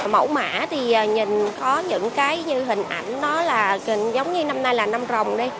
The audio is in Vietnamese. mẫu mã thì nhìn có những cái như hình ảnh nó là giống như năm nay là năm rồng đi